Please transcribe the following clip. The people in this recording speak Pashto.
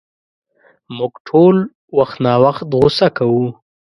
مونږ ټول وخت ناوخته غصه کوو.